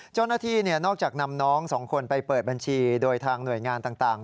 เจ้าหน้าที่นอกจากนำน้องสองคนไปเปิดบัญชีโดยทางหน่วยงานต่าง